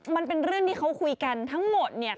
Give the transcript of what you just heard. มันเป็นเรื่องที่เขาคุยกันทั้งหมดเนี่ย